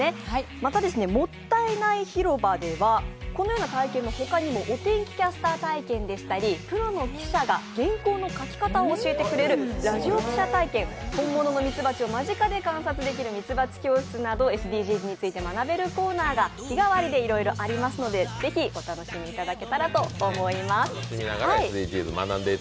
また、もったいない広場では、このような体験の他にもお天気キャスター体験でしたり、プロの記者が原稿の書き方を教えてくれるラジオ記者体験本物のミツバチを間近で観察できるミツバチ教室などＳＤＧｓについて学べるコーナーが日替わりでいろいろありますのでぜひお楽しみください。